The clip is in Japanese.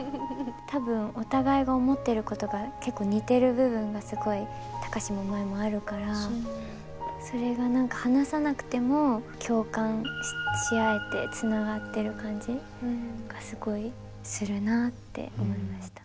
多分お互いが思ってることが結構似てる部分がすごい貴司も舞もあるからそれが何か話さなくても共感しあえてつながってる感じがすごいするなって思いました。